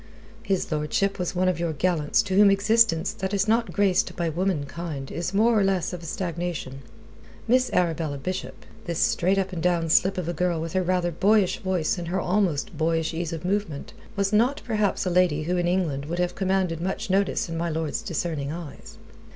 His lordship was one of your gallants to whom existence that is not graced by womankind is more or less of a stagnation. Miss Arabella Bishop this straight up and down slip of a girl with her rather boyish voice and her almost boyish ease of movement was not perhaps a lady who in England would have commanded much notice in my lord's discerning eyes.